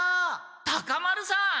タカ丸さん！